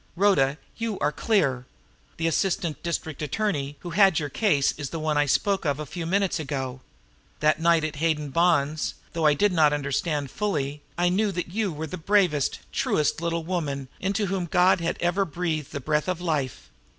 "Rhoda you are clear. The assistant district attorney who had your case is the one I spoke of a few minutes ago. That night at Hayden Bond's, though I did not understand fully, I knew that you were the bravest, truest little woman into whom God had ever breathed the breath of life.